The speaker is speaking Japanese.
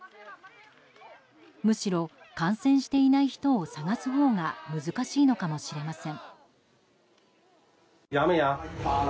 むしろ感染していない人を探すほうが難しいのかもしれません。